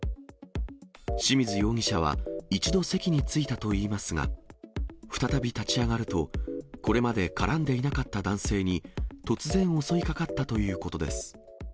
清水容疑者は、一度席に着いたといいますが、再び立ち上がると、これまで絡んでいなかった男性に、突然襲いかかったということです。